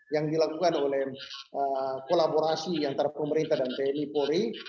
yang dilakukan oleh kolaborasi antara pemerintah dan tni polri